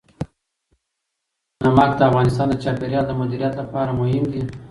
نمک د افغانستان د چاپیریال د مدیریت لپاره مهم دي.